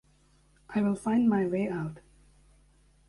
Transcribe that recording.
I will find my way out.